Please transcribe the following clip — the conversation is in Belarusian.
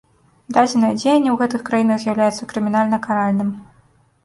Дадзенае дзеянне ў гэтых краінах з'яўляецца крымінальна каральным.